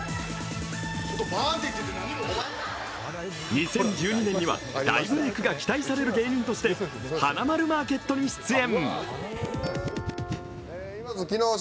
２０１２年には大ブレークが期待される芸人として「はなまるマーケット」に出演。